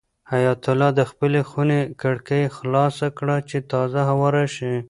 حیات الله د خپلې خونې کړکۍ خلاصه کړه چې تازه هوا راشي.